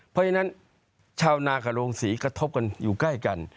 เพราะฉะนั้นชาวนากับโรงศรีกระทบกันอยู่ใกล้กัน